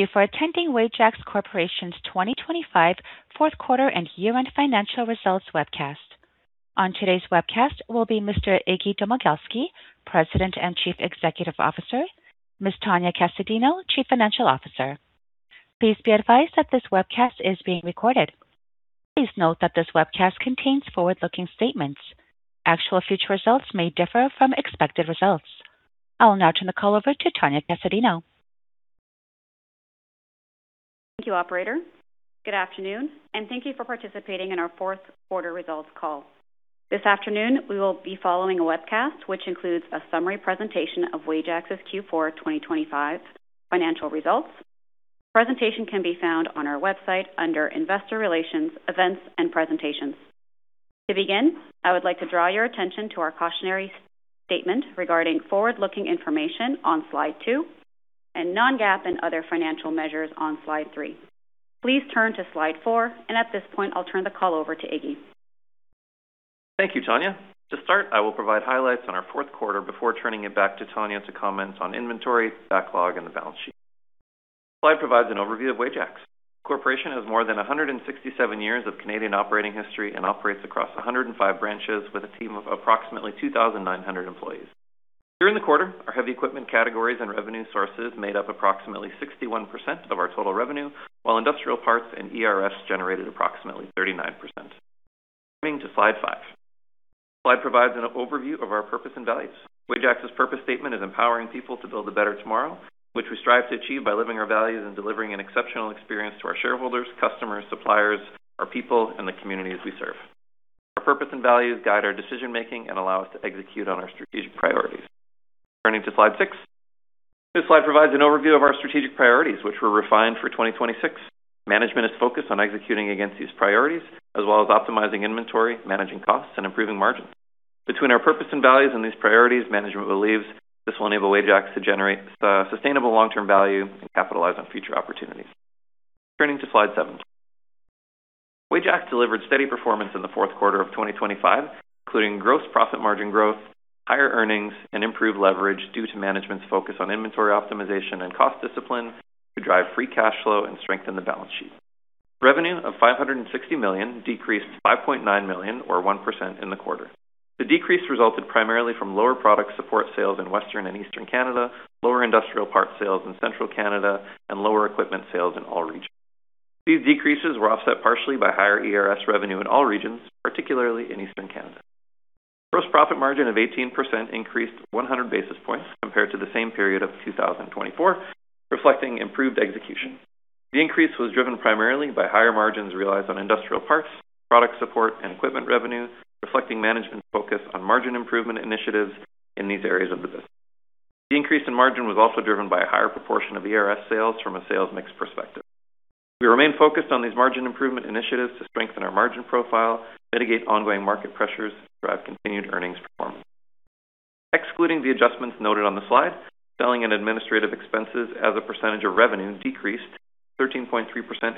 Thank you for attending Wajax Corporation's 2025 Q4 and year-end financial results webcast. On today's webcast will be Mr. Iggy Domagalski, President and Chief Executive Officer. Ms. Tania S. Casadinho, Chief Financial Officer. Please be advised that this webcast is being recorded. Please note that this webcast contains forward-looking statements. Actual future results may differ from expected results. I will now turn the call over to Tania S. Casadinho. Thank you, operator. Good afternoon, thank you for participating in our Q4 results call. This afternoon, we will be following a webcast which includes a summary presentation of Wajax's Q4 2025 financial results. Presentation can be found on our website under Investor Relations, Events and Presentations. To begin, I would like to draw your attention to our cautionary statement regarding forward-looking information on slide two and non-GAAP and other financial measures on slide three. Please turn to slide four, at this point I'll turn the call over to Iggy. Thank you, Tania. To start, I will provide highlights on our Q4 before turning it back to Tania to comment on inventory, backlog, and the balance sheet. Slide provides an overview of Wajax. Corporation has more than 167 years of Canadian operating history and operates across 105 branches with a team of approximately 2,900 employees. During the quarter, our heavy equipment categories and revenue sources made up approximately 61% of our total revenue, while industrial parts and ERS generated approximately 39%. Turning to slide five. Slide provides an overview of our purpose and values. Wajax's purpose statement is empowering people to build a better tomorrow, which we strive to achieve by living our values and delivering an exceptional experience to our shareholders, customers, suppliers, our people, and the communities we serve. Our purpose and values guide our decision-making and allow us to execute on our strategic priorities. Turning to slide six. This slide provides an overview of our strategic priorities, which were refined for 2026. Management is focused on executing against these priorities, as well as optimizing inventory, managing costs, and improving margins. Between our purpose and values and these priorities, management believes this will enable Wajax to generate sustainable long-term value and capitalize on future opportunities. Turning to slide seven. Wajax delivered steady performance in the Q4 of 2025, including gross profit margin growth, higher earnings, and improved leverage due to management's focus on inventory optimization and cost discipline to drive free cash flow and strengthen the balance sheet. Revenue of 560 million decreased to 5.9 million or 1% in the quarter. The decrease resulted primarily from lower product support sales in Western and Eastern Canada, lower industrial parts sales in Central Canada, and lower equipment sales in all regions. These decreases were offset partially by higher ERS revenue in all regions, particularly in Eastern Canada. Gross profit margin of 18% increased 100 basis points compared to the same period of 2024, reflecting improved execution. The increase was driven primarily by higher margins realized on industrial parts, product support, and equipment revenue, reflecting management focus on margin improvement initiatives in these areas of the business. The increase in margin was also driven by a higher proportion of ERS sales from a sales mix perspective. We remain focused on these margin improvement initiatives to strengthen our margin profile, mitigate ongoing market pressures, drive continued earnings performance. Excluding the adjustments noted on the slide, selling and administrative expenses as a percentage of revenue decreased 13.3%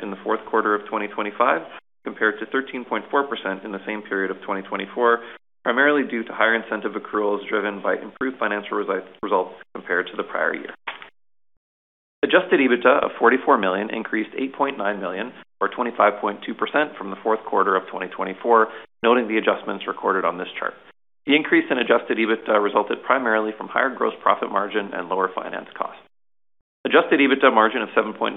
in the Q4 of 2025 compared to 13.4% in the same period of 2024, primarily due to higher incentive accruals driven by improved financial results compared to the prior year. Adjusted EBITDA of 44 million increased 8.9 million or 25.2% from the Q4 of 2024, noting the adjustments recorded on this chart. The increase in Adjusted EBITDA resulted primarily from higher gross profit margin and lower finance costs. Adjusted EBITDA margin of 7.9%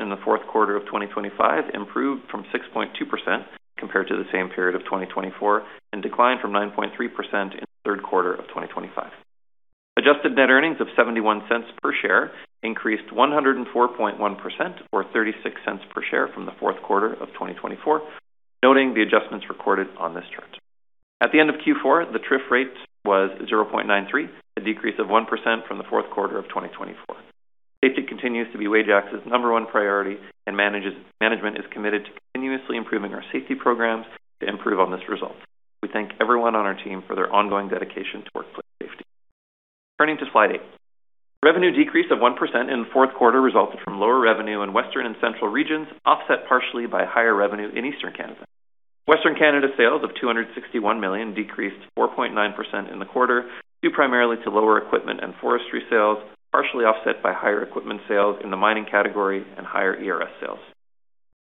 in the Q4 of 2025 improved from 6.2% compared to the same period of 2024 and declined from 9.3% in the Q3 of 2025. Adjusted net earnings of 0.71 per share increased 104.1% or 0.36 per share from the Q4 of 2024, noting the adjustments recorded on this chart. At the end of Q4, the TRIF rate was 0.93, a decrease of 1% from the Q4 of 2024. Safety continues to be Wajax's number one priority and management is committed to continuously improving our safety programs to improve on this result. We thank everyone on our team for their ongoing dedication to workplace safety. Turning to slide 8eight. Revenue decrease of 1% in the Q4 resulted from lower revenue in Western and Central regions, offset partially by higher revenue in Eastern Canada. Western Canada sales of 261 million decreased 4.9% in the quarter, due primarily to lower equipment and forestry sales, partially offset by higher equipment sales in the mining category and higher ERS sales.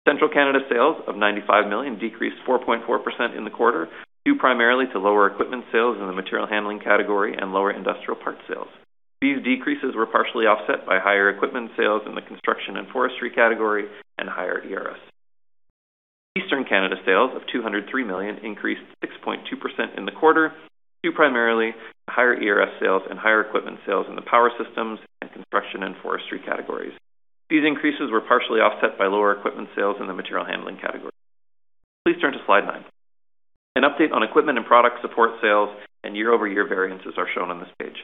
Central Canada sales of 95 million decreased 4.4% in the quarter, due primarily to lower equipment sales in the material handling category and lower industrial parts sales. These decreases were partially offset by higher equipment sales in the construction and forestry category and higher ERS. Eastern Canada sales of 203 million increased 6.2% in the quarter, due primarily to higher ERS sales and higher equipment sales in the power systems and construction and forestry categories. These increases were partially offset by lower equipment sales in the material handling category. Please turn to slide nine. Update on equipment and product support sales and year-over-year variances are shown on this page.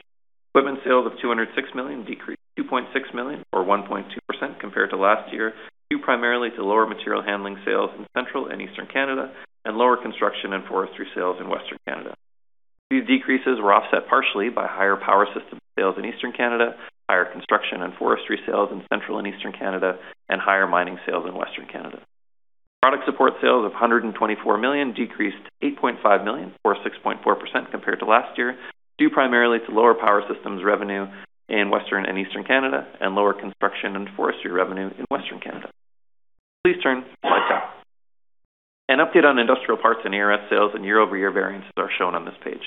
Equipment sales of 206 million decreased 2.6 million or 1.2% compared to last year, due primarily to lower material handling sales in Central and Eastern Canada and lower construction and forestry sales in Western Canada. These decreases were offset partially by higher power system sales in Eastern Canada, higher construction and forestry sales in Central and Eastern Canada, and higher mining sales in Western Canada. Support sales of 124 million decreased to 8.5 million, or 6.4% compared to last year, due primarily to lower power systems revenue in Western and Eastern Canada and lower construction and forestry revenue in Western Canada. Please turn to slide 10. An update on industrial parts and ERS sales and year-over-year variances are shown on this page.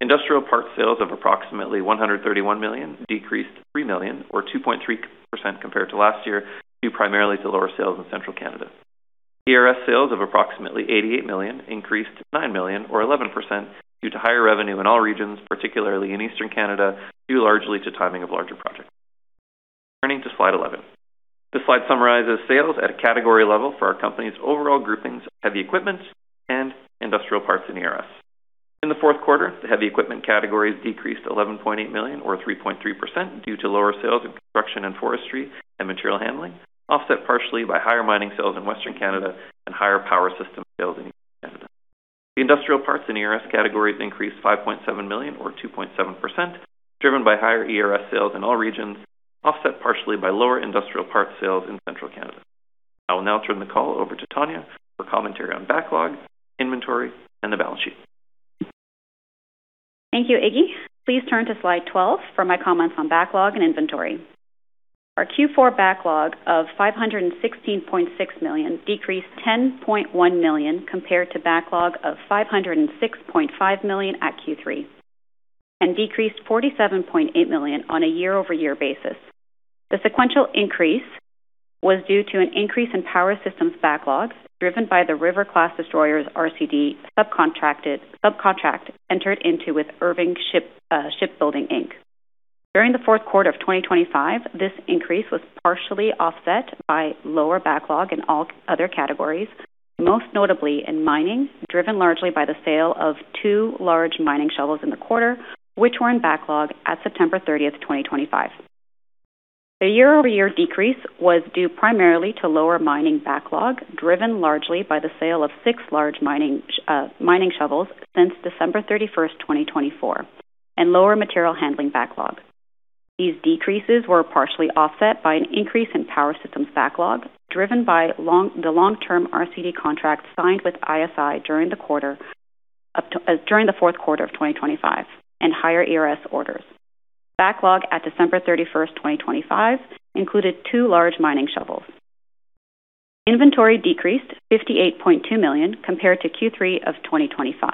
Industrial parts sales of approximately 131 million decreased 3 million or 2.3% compared to last year, due primarily to lower sales in Central Canada. ERS sales of approximately 88 million increased to 9 million or 11% due to higher revenue in all regions, particularly in Eastern Canada, due largely to timing of larger projects. Turning to slide 11. This slide summarizes sales at a category level for our company's overall groupings, heavy equipment and industrial parts in ERS. In the Q4, the heavy equipment categories decreased 11.8 million or 3.3% due to lower sales in construction and forestry and material handling, offset partially by higher mining sales in Western Canada and higher power system sales in Eastern Canada. The industrial parts in ERS categories increased 5.7 million or 2.7%, driven by higher ERS sales in all regions, offset partially by lower industrial parts sales in Central Canada. I will now turn the call over to Tania for commentary on backlog, inventory, and the balance sheet. Thank you, Iggy. Please turn to slide 12 for my comments on backlog and inventory. Our Q4 backlog of 516.6 million decreased 10.1 million compared to backlog of 506.5 million at Q3, and decreased 47.8 million on a year-over-year basis. The sequential increase was due to an increase in power systems backlogs driven by the River-class destroyers RCD subcontract entered into with Irving Shipbuilding Inc. During the Q4 of 2025, this increase was partially offset by lower backlog in all other categories, most notably in mining, driven largely by the sale of two large mining shovels in the quarter, which were in backlog at September 30, 2025. The year-over-year decrease was due primarily to lower mining backlog, driven largely by the sale of 6 large mining shovels since December 31, 2024, and lower material handling backlog. These decreases were partially offset by an increase in power systems backlog, driven by the long-term RCD contract signed with ISI during the Q4 of 2025 and higher ERS orders. Backlog at December 31, 2025 included two large mining shovels. Inventory decreased 58.2 million compared to Q3 of 2025.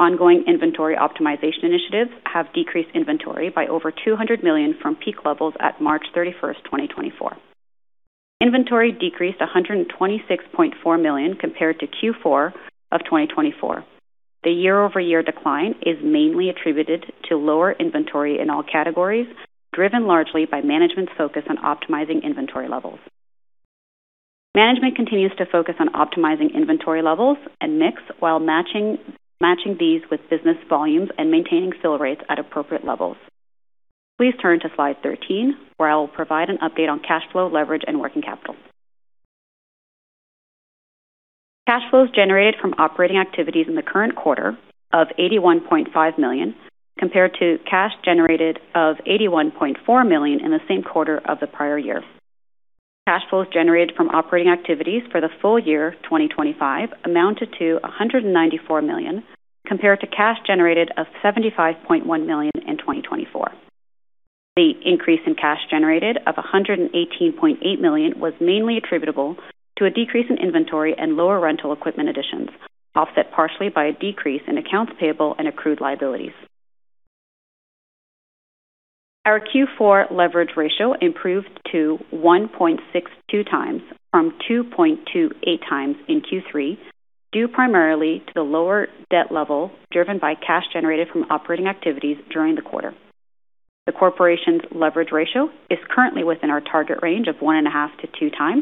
Ongoing inventory optimization initiatives have decreased inventory by over 200 million from peak levels at March 31, 2024. Inventory decreased 126.4 million compared to Q4 of 2024. The year-over-year decline is mainly attributed to lower inventory in all categories, driven largely by management's focus on optimizing inventory levels. Management continues to focus on optimizing inventory levels and mix while matching these with business volumes and maintaining fill rates at appropriate levels. Please turn to slide 13, where I will provide an update on cash flow, leverage, and working capital. Cash flows generated from operating activities in the current quarter of 81.5 million compared to cash generated of 81.4 million in the same quarter of the prior year. Cash flows generated from operating activities for the full year 2025 amounted to 194 million, compared to cash generated of 75.1 million in 2024. The increase in cash generated of 118.8 million was mainly attributable to a decrease in inventory and lower rental equipment additions, offset partially by a decrease in accounts payable and accrued liabilities. Our Q4 leverage ratio improved to 1.62x from 2.28x in Q3, due primarily to the lower debt level driven by cash generated from operating activities during the quarter. The corporation's leverage ratio is currently within our target range of 1.5x-2x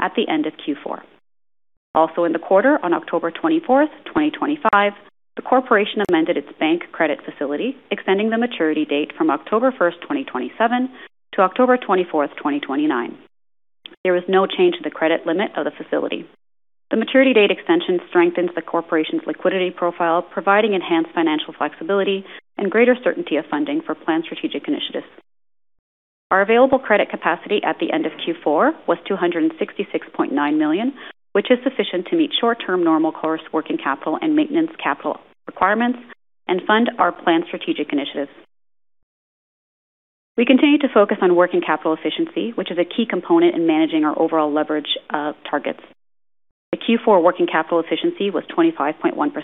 at the end of Q4. Also in the quarter, on October 24, 2025, the corporation amended its bank credit facility, extending the maturity date from October 1, 2027-October 24, 2029. There was no change to the credit limit of the facility. The maturity date extension strengthens the corporation's liquidity profile, providing enhanced financial flexibility and greater certainty of funding for planned strategic initiatives. Our available credit capacity at the end of Q4 was 266.9 million, which is sufficient to meet short-term normal course working capital and maintenance capital requirements and fund our planned strategic initiatives. We continue to focus on working capital efficiency, which is a key component in managing our overall leverage targets. The Q4 working capital efficiency was 25.1%,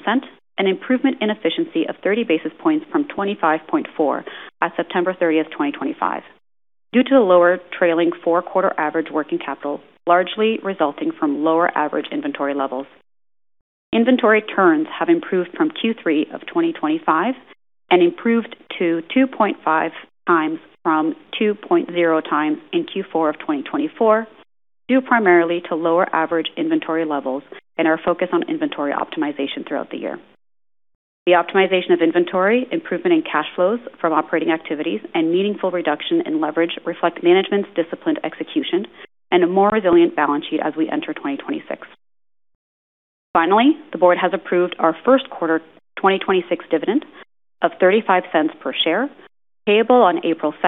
an improvement in efficiency of 30 basis points from 25.4 at September 30th, 2025. Due to the lower trailing four quarter average working capital, largely resulting from lower average inventory levels. Inventory turns have improved from Q3 of 2025 and improved to 2.5x from 2.0x in Q4 of 2024, due primarily to lower average inventory levels and our focus on inventory optimization throughout the year. The optimization of inventory, improvement in cash flows from operating activities, and meaningful reduction in leverage reflect management's disciplined execution and a more resilient balance sheet as we enter 2026. Finally, the board has approved our Q1 2026 dividend of $0.35 per share, payable on April 2,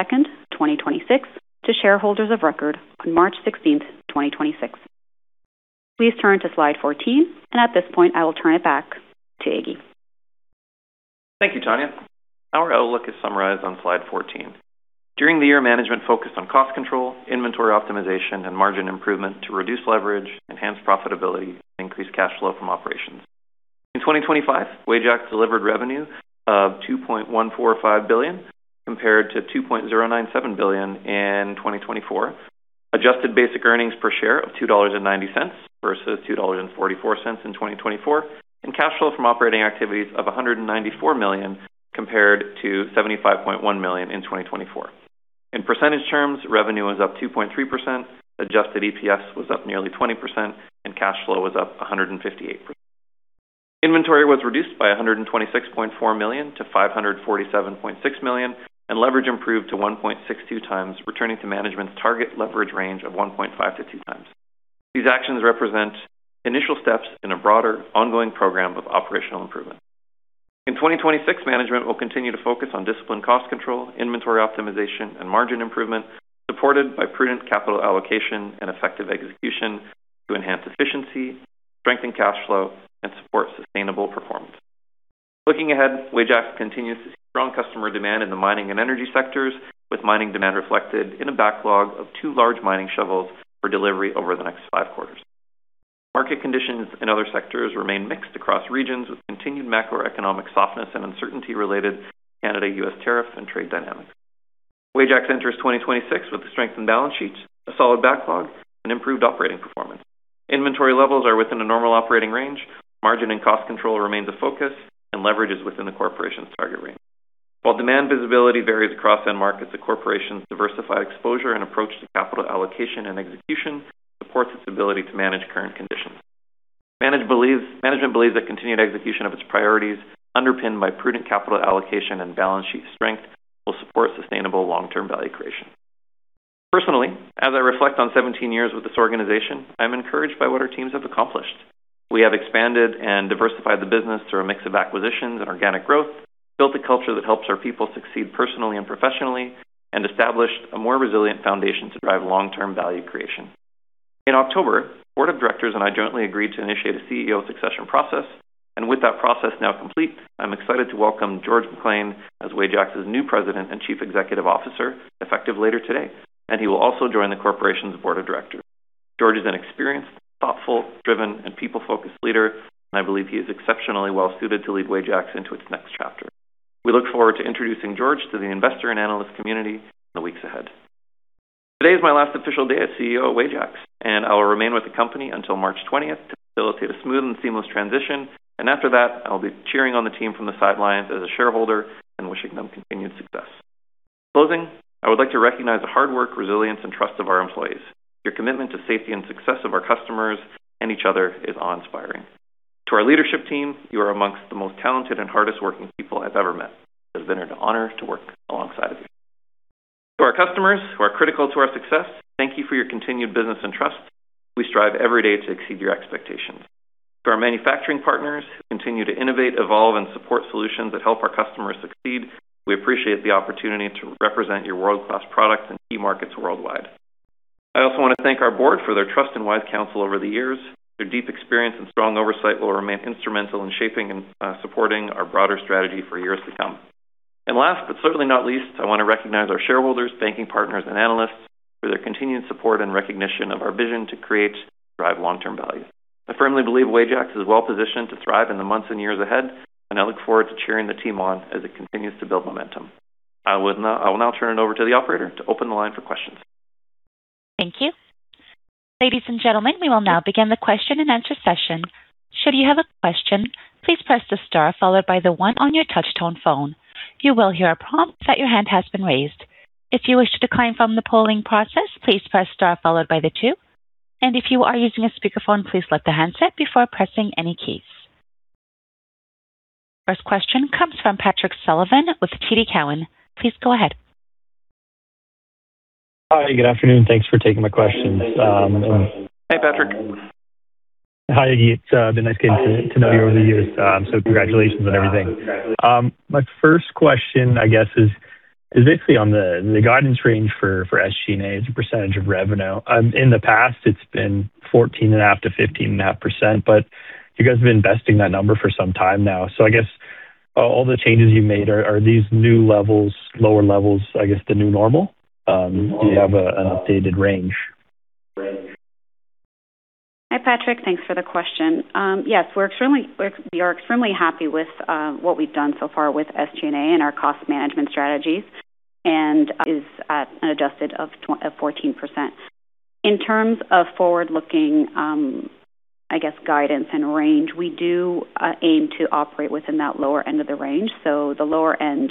2026 to shareholders of record on March 16, 2026. Please turn to slide 14, and at this point, I will turn it back to Iggy. Thank you, Tania. Our outlook is summarized on slide 14. During the year, management focused on cost control, inventory optimization, and margin improvement to reduce leverage, enhance profitability, and increase cash flow from operations. In 2025, Wajax delivered revenue of 2.145 billion compared to 2.097 billion in 2024. Adjusted basic EPS of 2.90 dollars versus 2.44 dollars in 2024, and cash flow from operating activities of 194 million compared to 75.1 million in 2024. In percentage terms, revenue was up 2.3%, adjusted EPS was up nearly 20%, and cash flow was up 158%. Inventory was reduced by 126.4 million-547.6 million. Leverage improved to 1.62 times, returning to management's target leverage range of 1.5x to 2x. These actions represent initial steps in a broader ongoing program of operational improvement. In 2026, management will continue to focus on disciplined cost control, inventory optimization, and margin improvement, supported by prudent capital allocation and effective execution to enhance efficiency, strengthen cash flow, and support sustainable performance. Looking ahead, Wajax continues to see strong customer demand in the mining and energy sectors, with mining demand reflected in a backlog of two large mining shovels for delivery over the next five quarters. Market conditions in other sectors remain mixed across regions, with continued macroeconomic softness and uncertainty related to Canada, U.S. tariffs and trade dynamics. Wajax enters 2026 with strengthened balance sheets, a solid backlog, and improved operating performance. Inventory levels are within a normal operating range, margin and cost control remains a focus, and leverage is within the corporation's target range. While demand visibility varies across end markets, the corporation's diversified exposure and approach to capital allocation and execution supports its ability to manage current conditions. Management believes that continued execution of its priorities, underpinned by prudent capital allocation and balance sheet strength, will support sustainable long-term value creation. Personally, as I reflect on 17 years with this organization, I'm encouraged by what our teams have accomplished. We have expanded and diversified the business through a mix of acquisitions and organic growth, built a culture that helps our people succeed personally and professionally, and established a more resilient foundation to drive long-term value creation. In October, the board of directors and I jointly agreed to initiate a CEO succession process, and with that process now complete, I'm excited to welcome George McClean as Wajax's new President and Chief Executive Officer, effective later today, and he will also join the corporation's board of directors. George is an experienced, thoughtful, driven, and people-focused leader, and I believe he is exceptionally well-suited to lead Wajax into its next chapter. We look forward to introducing George to the investor and analyst community in the weeks ahead. Today is my last official day as CEO of Wajax, and I will remain with the company until March 20th to facilitate a smooth and seamless transition. After that, I'll be cheering on the team from the sidelines as a shareholder and wishing them continued success. In closing, I would like to recognize the hard work, resilience, and trust of our employees. Your commitment to safety and success of our customers and each other is awe-inspiring. To our leadership team, you are amongst the most talented and hardest-working people I've ever met. It has been an honor to work alongside of you. To our customers who are critical to our success, thank you for your continued business and trust. We strive every day to exceed your expectations. To our manufacturing partners who continue to innovate, evolve, and support solutions that help our customers succeed, we appreciate the opportunity to represent your world-class products in key markets worldwide. I also want to thank our board for their trust and wise counsel over the years. Their deep experience and strong oversight will remain instrumental in shaping and supporting our broader strategy for years to come. Last, but certainly not least, I want to recognize our shareholders, banking partners, and analysts for their continued support and recognition of our vision to create and drive long-term value. I firmly believe Wajax is well positioned to thrive in the months and years ahead, and I look forward to cheering the team on as it continues to build momentum. I will now turn it over to the operator to open the line for questions. Thank you. Ladies and gentlemen, we will now begin the question and answer session. Should you have a question, please press the star followed by the one on your touch-tone phone. You will hear a prompt that your hand has been raised. If you wish to decline from the polling process, please press star followed by the two. If you are using a speakerphone, please let the handset before pressing any keys. First question comes from Patrick Sullivan with TD Cowen. Please go ahead. Hi, good afternoon. Thanks for taking my questions. Hi, Patrick. Hi, Iggy. It's been nice getting to know you over the years, Congratulations on everything. My first question, I guess is basically on the guidance range for SG&A as a percentage of revenue. In the past it's been 14.5%-15.5%, but you guys have been investing that number for some time now. I guess, all the changes you made are these new levels, lower levels, I guess the new normal? Do you have an updated range? Hi, Patrick. Thanks for the question. Yes, we are extremely happy with what we've done so far with SG&A and our cost management strategies and is at an adjusted of 14%. In terms of forward-looking, I guess, guidance and range, we do aim to operate within that lower end of the range. The lower end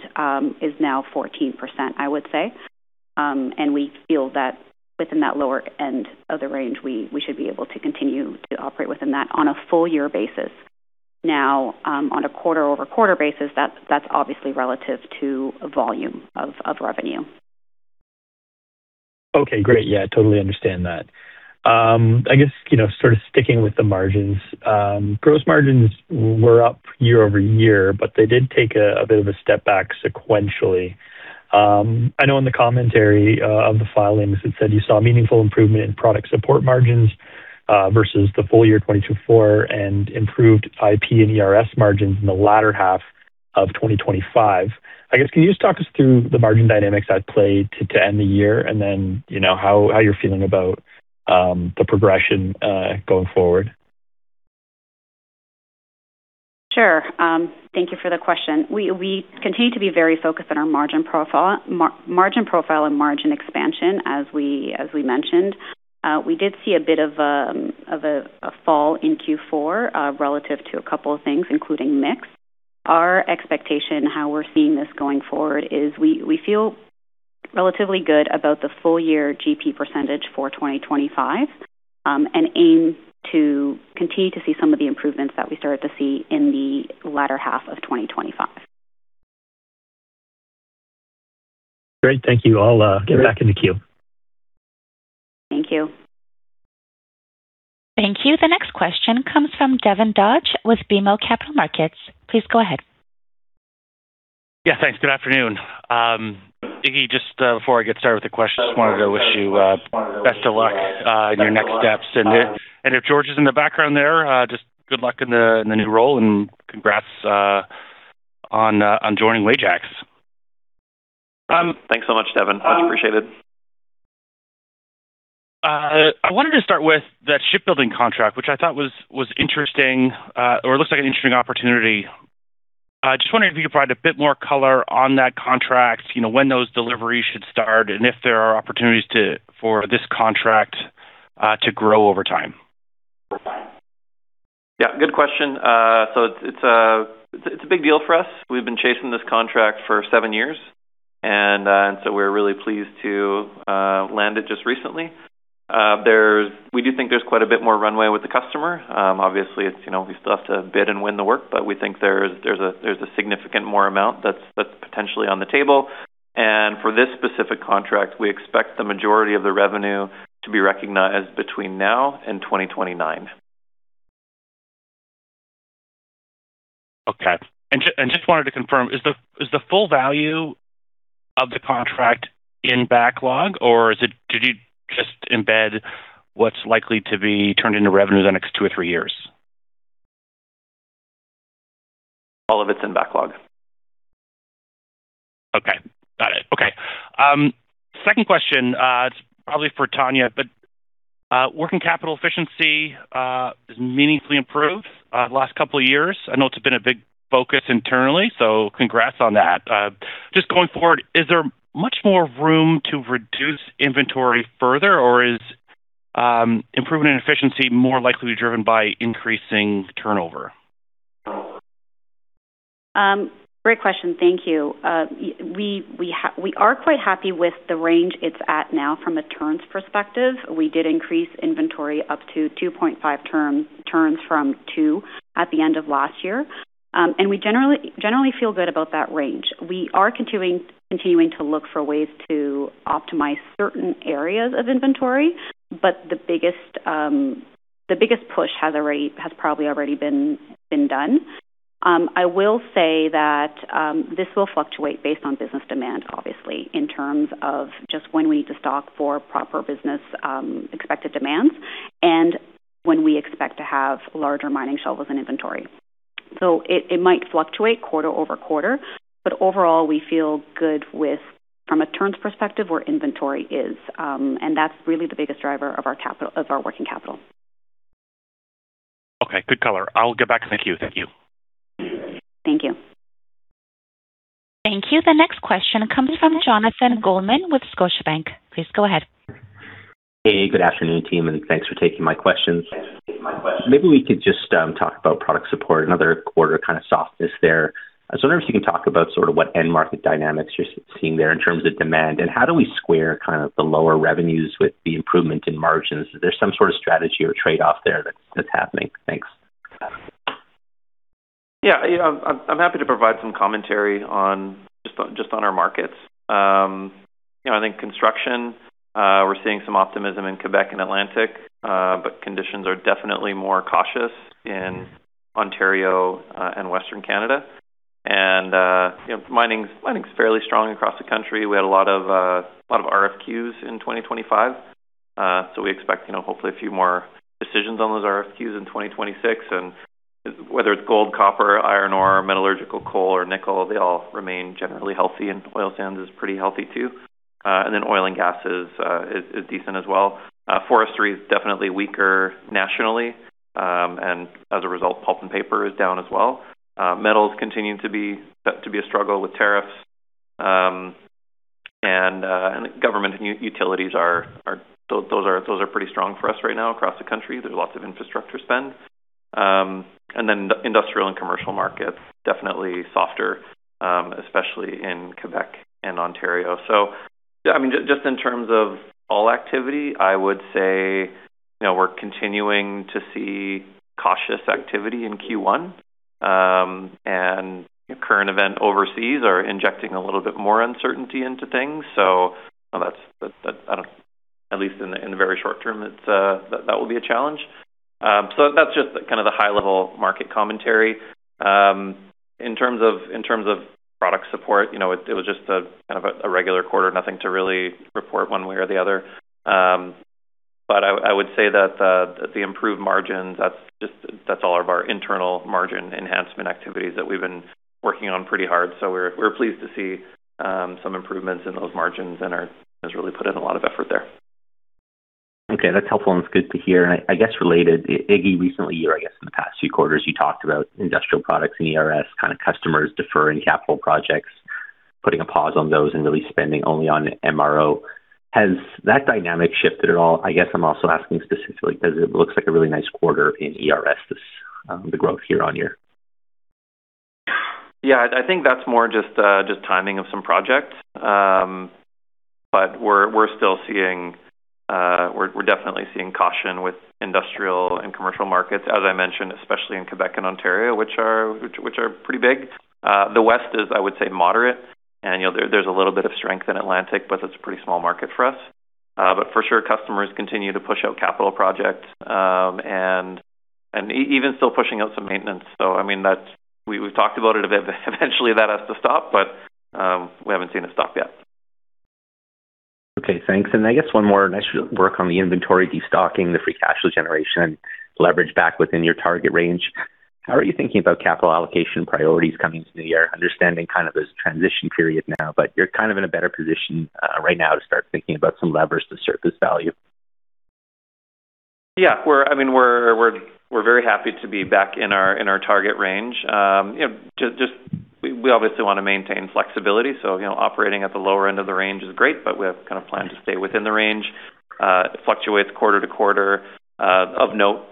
is now 14%, I would say. We feel that within that lower end of the range, we should be able to continue to operate within that on a full year basis. On a quarter-over-quarter basis, that's obviously relative to volume of revenue. Okay, great. Yeah, I totally understand that. I guess, you know, sort of sticking with the margins. Gross margins were up year-over-year, but they did take a bit of a step back sequentially. I know in the commentary of the filings, it said you saw meaningful improvement in product support margins versus the full year 2024 and improved IP and ERS margins in the latter 1/2 of 2025. I guess, can you just talk us through the margin dynamics at play to end the year and then, you know, how you're feeling about the progression going forward? Sure. Thank you for the question. We continue to be very focused on our margin profile and margin expansion as we mentioned. We did see a bit of a fall in Q4 relative to a couple of things, including mix. Our expectation, how we're seeing this going forward is we feel relatively good about the full year GP percentage for 2025, and aim to continue to see some of the improvements that we started to see in the latter 1/2 of 2025. Great. Thank you. I'll get back in the queue. Thank you. Thank you. The next question comes from Devin Dodge with BMO Capital Markets. Please go ahead. Yeah, thanks. Good afternoon. Iggy, just before I get started with the questions, just wanted to wish you best of luck in your next steps. If George is in the background there, just good luck in the new role and congrats on joining Wajax. Thanks so much, Devin. Much appreciated. I wanted to start with that shipbuilding contract, which I thought was interesting, or looks like an interesting opportunity. I just wondered if you could provide a bit more color on that contract, you know, when those deliveries should start, and if there are opportunities for this contract to grow over time. Yeah, good question. It's a big deal for us. We've been chasing this contract for seven years. We're really pleased to land it just recently. We do think there's quite a bit more runway with the customer. Obviously, it's, you know, we still have to bid and win the work, but we think there's a significant more amount that's potentially on the table. For this specific contract, we expect the majority of the revenue to be recognized between now and 2029. Okay. Just wanted to confirm, is the full value of the contract in backlog, or did you just embed what's likely to be turned into revenues the next two years or three years? All of it's in backlog. Okay. Got it. Okay. Second question, it's probably for Tania S. Casadinho. Working capital efficiency has meaningfully improved the last couple of years. I know it's been a big focus internally. Congrats on that. Going forward, is there much more room to reduce inventory further, or is improvement in efficiency more likely to be driven by increasing turnover? Great question. Thank you. We are quite happy with the range it's at now from a turns perspective. We did increase inventory up to 2.5 turns from 2 at the end of last year. We generally feel good about that range. We are continuing to look for ways to optimize certain areas of inventory, the biggest push has probably already been done. I will say that this will fluctuate based on business demand, obviously, in terms of just when we need to stock for proper business expected demands and when we expect to have larger mining shovels and inventory. It might fluctuate quarter over quarter, but overall, we feel good with, from a turns perspective, where inventory is. That's really the biggest driver of our working capital. Okay. Good color. I'll get back. Thank you. Thank you. Thank you. Thank you. The next question comes from Jonathan Goldman with Scotiabank. Please go ahead. Hey, good afternoon, team, and thanks for taking my questions. Maybe we could just talk about product support. Another quarter kind of softness there. I was wondering if you can talk about sort of what end market dynamics you're seeing there in terms of demand, and how do we square kind of the lower revenues with the improvement in margins? Is there some sort of strategy or trade-off there that's happening? Thanks. Yeah. You know, I'm happy to provide some commentary on our markets. You know, I think construction, we're seeing some optimism in Quebec and Atlantic. Conditions are definitely more cautious in Ontario and Western Canada. You know, mining's fairly strong across the country. We had a lot of RFQs in 2025. We expect, you know, hopefully a few more decisions on those RFQs in 2026. Whether it's gold, copper, iron ore, metallurgical coal or nickel, they all remain generally healthy, and oil sands is pretty healthy too. Oil and gas is decent as well. Forestry is definitely weaker nationally. As a result, pulp and paper is down as well. Metals continue to be a struggle with tariffs. Government and utilities are those are pretty strong for us right now across the country. There's lots of infrastructure spend. The industrial and commercial markets, definitely softer, especially in Quebec and Ontario. Yeah, I mean, just in terms of all activity, I would say, you know, we're continuing to see cautious activity in Q1. Current event overseas are injecting a little bit more uncertainty into things. That's, that's, I don't. At least in the very short term, it's that would be a challenge. That's just kind of the high-level market commentary. In terms of product support, you know, it was just a kind of a regular quarter, nothing to really report one way or the other. I would say that the improved margins, that's all of our internal margin enhancement activities that we've been working on pretty hard. We're pleased to see some improvements in those margins and has really put in a lot of effort there. Okay, that's helpful and it's good to hear. I guess related, Iggy, recently, or I guess in the past few quarters, you talked about industrial products and ERS kind of customers deferring capital projects, putting a pause on those and really spending only on MRO. Has that dynamic shifted at all? I guess I'm also asking specifically 'cause it looks like a really nice quarter in ERS, this, the growth year-over-year. Yeah, I think that's more just timing of some projects. But we're still seeing, we're definitely seeing caution with industrial and commercial markets, as I mentioned, especially in Quebec and Ontario, which are pretty big. The West is, I would say, moderate. You know, there's a little bit of strength in Atlantic, but it's a pretty small market for us. But for sure, customers continue to push out capital projects, and even still pushing out some maintenance. I mean, we've talked about it a bit, but eventually that has to stop. We haven't seen it stop yet. Okay, thanks. I guess one more. Nice work on the inventory destocking, the free cash flow generation leverage back within your target range. How are you thinking about capital allocation priorities coming into the year, understanding kind of this transition period now, but you're kind of in a better position right now to start thinking about some levers to surface value. Yeah. I mean, we're very happy to be back in our, in our target range. you know, just we obviously wanna maintain flexibility. you know, operating at the lower end of the range is great, but we have kind of planned to stay within the range. It fluctuates quarter to quarter. Of note,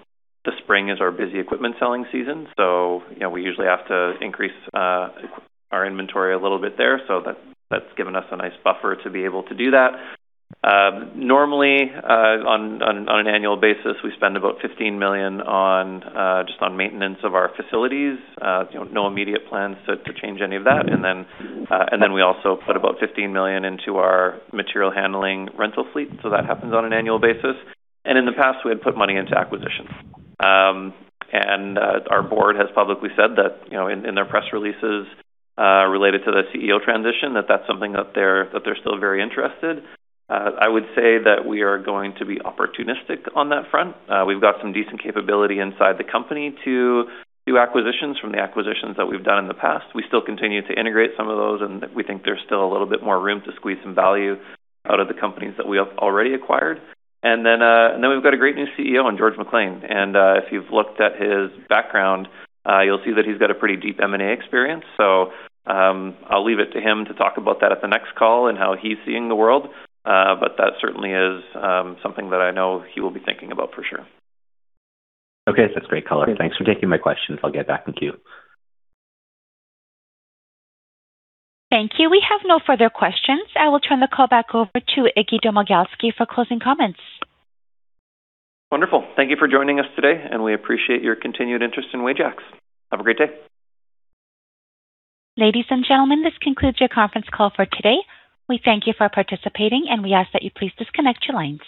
the spring is our busy equipment selling season, you know, we usually have to increase our inventory a little bit there. That's given us a nice buffer to be able to do that. Normally, on an annual basis, we spend about 15 million on just on maintenance of our facilities. you know, no immediate plans to change any of that. We also put about 15 million into our material handling rental fleet. That happens on an annual basis. In the past we had put money into acquisitions. Our board has publicly said that, you know, in their press releases related to the CEO transition, that that's something that they're still very interested. I would say that we are going to be opportunistic on that front. We've got some decent capability inside the company to do acquisitions from the acquisitions that we've done in the past. We still continue to integrate some of those, and we think there's still a little bit more room to squeeze some value out of the companies that we have already acquired. We've got a great new CEO in George McClean. If you've looked at his background, you'll see that he's got a pretty deep M&A experience. I'll leave it to him to talk about that at the next call and how he's seeing the world. That certainly is something that I know he will be thinking about for sure. Okay. That's great color. Thanks for taking my questions. I'll get back in queue. Thank you. We have no further questions. I will turn the call back over to Iggy Domagalski for closing comments. Wonderful. Thank you for joining us today. We appreciate your continued interest in Wajax. Have a great day. Ladies and gentlemen, this concludes your conference call for today. We thank you for participating, and we ask that you please disconnect your lines.